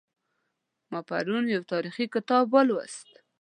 ما پرون یو تاریخي کتاب ولوست